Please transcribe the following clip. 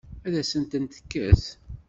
Ad asent-tent-tekkes?